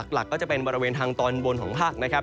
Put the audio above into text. หลักก็จะเป็นบริเวณทางตอนบนของภาคนะครับ